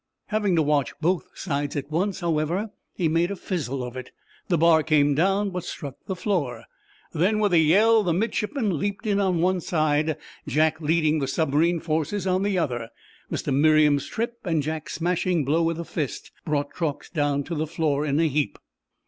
Having to watch both sides at once, however, he made a fizzle of it. The bar came down, but struck the floor. Then, with a yell, the midshipmen leaped in on one side, Jack leading the submarine forces on the other. Mr. Merriam's trip and Jack's smashing blow with the fist brought Truax down to the floor in a heap.